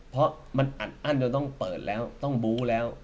เพราะมันอัดอั้นจนต้องเปิดแล้วต้องบู้แล้ว